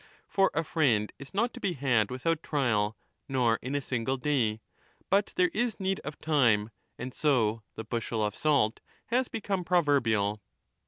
1238* For a friend is not to be had without trial nor in a single day, but there is need of time and so ' the bushel of salt ' has become proverbial.